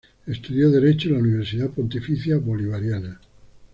Estudió Derecho en la Universidad Pontificia Bolivariana.